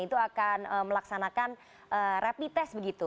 itu akan melaksanakan rapid test begitu